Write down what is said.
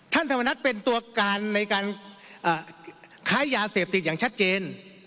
ธรรมนัฐเป็นตัวการในการค้ายาเสพติดอย่างชัดเจน